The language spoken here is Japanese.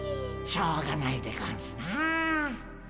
しょうがないでゴンスなあ。